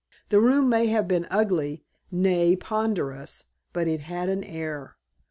The room may have been ugly, nay, ponderous, but it had an air!